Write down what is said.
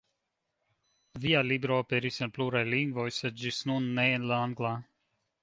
Via libro aperis en pluraj lingvoj, sed ĝis nun ne en la angla.